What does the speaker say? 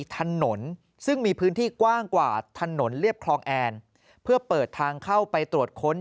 ถนนซึ่งมีพื้นที่กว้างกว่าถนนเรียบคลองแอนเพื่อเปิดทางเข้าไปตรวจค้น